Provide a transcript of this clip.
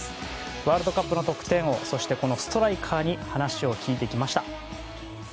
ワールドカップの得点王ストライカーに話を聞いてきました。